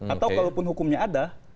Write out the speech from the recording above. atau kalaupun hukumnya ada